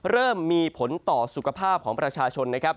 เริ่มมีผลต่อสุขภาพของประชาชนนะครับ